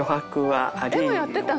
「絵もやってたの」